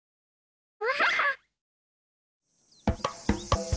ワハハハ。